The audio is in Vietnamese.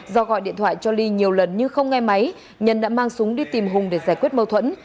do gọi điện thoại cho ly nhiều lần nhưng không nghe máy nhân đã mang súng đi tìm hùng để giải quyết mâu thuẫn